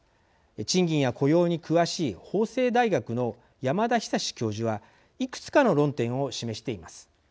賃金や雇用に詳しい法政大学の山田久教授はいくつかの論点を示しています。